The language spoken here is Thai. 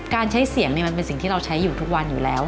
ใช้เสียงมันเป็นสิ่งที่เราใช้อยู่ทุกวันอยู่แล้ว